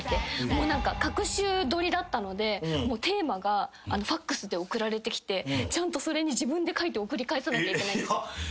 もう何か隔週撮りだったのでテーマがＦＡＸで送られてきてちゃんとそれに自分で書いて送り返さなきゃいけないんですよ。